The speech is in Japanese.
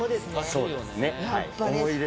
そうですね。